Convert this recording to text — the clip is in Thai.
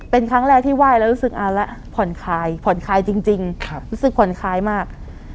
เป็นครั้งแรกที่ไหว้แล้วรู้สึกเอาละผ่อนคลายผ่อนคลายจริงรู้สึกผ่อนคลายมาก